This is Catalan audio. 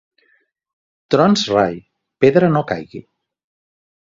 Trons rai, pedra no caigui.